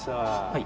はい。